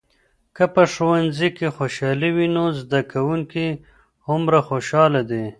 که په ښوونځي کې خوشالي وي، نو زده کوونکي هومره خوشحال دي.